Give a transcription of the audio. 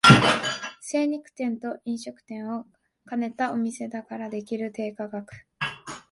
精肉店と飲食店を兼ねたお店だからできる低価格